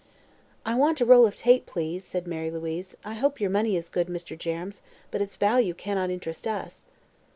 "I want a roll of tape, please," said Mary Louise. "I hope your money is good, Mr. Jerrems, but its value cannot interest us."